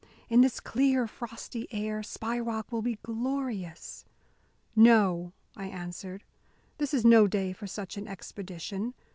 In this clear, frosty air, Spy Rock will be glorious!" "No," I answered, "this is no day for such an expedition.